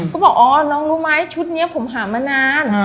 ก็บอกอ๋อน้องรู้ไหมชุดนี้ผมหามานาน